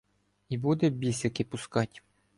І буде бісики пускать.